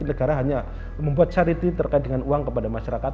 negara hanya membuat sarity terkait dengan uang kepada masyarakat